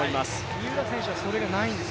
三浦選手はそれがないんです